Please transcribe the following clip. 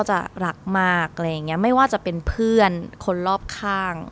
จะรักมากอะไรอย่างเงี้ยไม่ว่าจะเป็นเพื่อนคนรอบข้าง